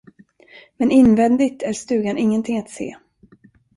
Men invändigt är stugan ingenting att se.